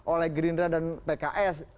oleh gerindra dan pks